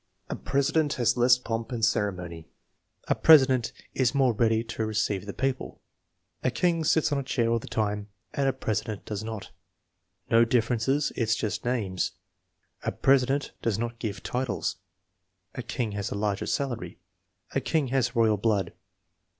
"A president has less pomp and ceremony." "A president is more ready to re ceive the people." "A king sits on a chair all the time and a presi dent does not." "No differences; it's just names." "A president does not give titles." "A king has a larger salary." "A king has royal blood."